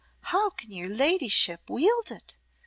"How can your ladyship wield it?"